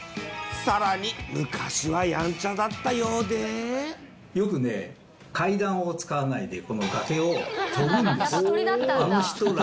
さらに、昔はやんちゃだったよくね、階段を使わないで、この崖を跳ぶんですよ。